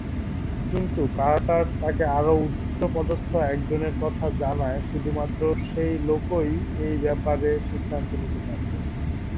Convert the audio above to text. কিন্তু কার্টার তাকে আরো উচ্চপদস্থ একজনের কথা জানায় শুধুমাত্র সেই লোকই এই ব্যাপারে সিদ্ধান্ত নিতে পারবে।